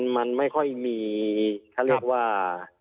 มันไม่ค่อยมีเขาเรียกว่า